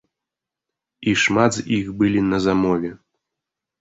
І шмат з іх былі па замове.